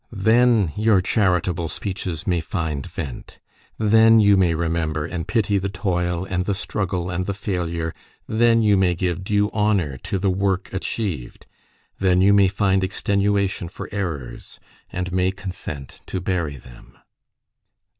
Then your charitable speeches may find vent; then you may remember and pity the toil and the struggle and the failure; then you may give due honour to the work achieved; then you may find extenuation for errors, and may consent to bury them.